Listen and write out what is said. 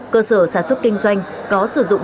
cơ sở sản xuất kinh doanh có sử dụng